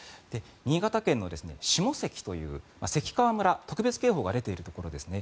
新潟県の下関という関川村特別警報が出ているところですね